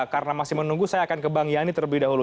karena masih menunggu saya akan ke bang yani terlebih dahulu